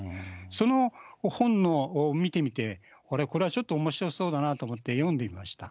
その本を見てみて、これはちょっとおもしろそうだなと思って読んでみました。